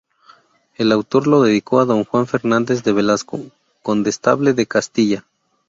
El autor lo dedicó a don Juan Fernández de Velasco, condestable de Castilla.